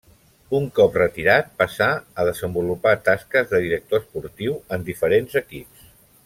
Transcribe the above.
Un cop retirat passà a desenvolupar tasques de director esportiu en diferents equips.